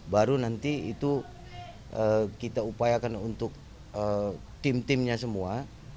baru nanti itu kita upayakan untuk tim timnya semua